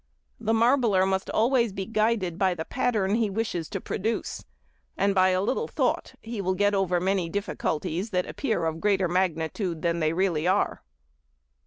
The marbler must always be guided by the pattern he wishes to produce, and by a little thought he will get over many difficulties that appear of greater magnitude than they really are.